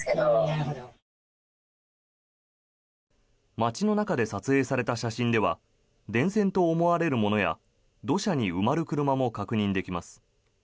街の中で撮影された写真では電線と思われるものや土砂に埋まる車も確認できます。